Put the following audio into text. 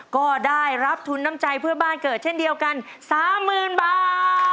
ก็ได้รับทุนน้ำใจเพื่อบ้านเกิดเช่นเดียวกัน๓๐๐๐บาท